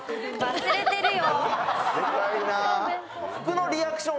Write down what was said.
忘れてるよ。